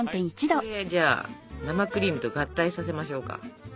これじゃあ生クリームと合体させましょうか。